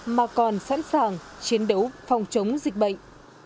mà còn sẵn sàng chiến đấu phòng chống dịch bệnh